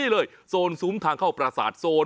สุดยอดน้ำมันเครื่องจากญี่ปุ่น